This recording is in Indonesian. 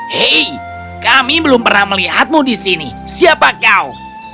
hei kami belum pernah melihatmu di sini siapa kau